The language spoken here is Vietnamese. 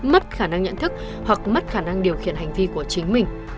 mất khả năng nhận thức hoặc mất khả năng điều khiển hành vi của chính mình